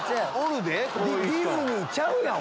ディズニーちゃうやん！